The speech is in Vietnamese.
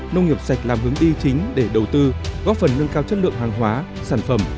nông nghiệp sạch làm hướng y chính để đầu tư góp phần nâng cao chất lượng hàng hóa sản phẩm